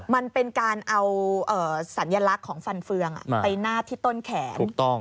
มันเป็นการเอาสัญลักษณ์ของฟันเฟืองไปนาบที่ต้นแขน